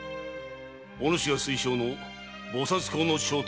お主が推奨の菩薩講の正体は知れた。